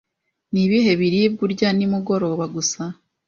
Nibihe biribwa urya nimugoroba gusa?